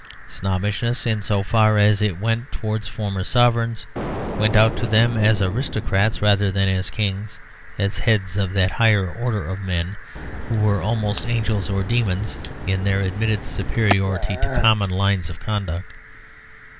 Snobbishness, in so far as it went out towards former sovereigns, went out to them as aristocrats rather than as kings, as heads of that higher order of men, who were almost angels or demons in their admitted superiority to common lines of conduct.